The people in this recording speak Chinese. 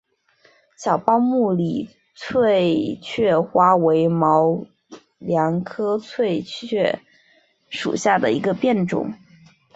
小苞木里翠雀花为毛茛科翠雀属下的一个变种。